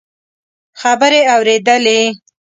خبرې اورېدلې.